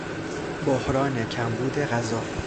بحران کمبود غذا